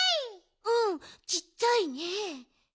うんちっちゃいね。